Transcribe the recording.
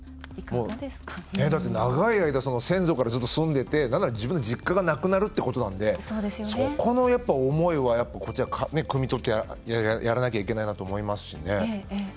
長い間先祖からずっと住んでて自分の実家がなくなるっていうことなんでそこの思いはこちら、くみ取ってやらなきゃいけないなと思いますしね。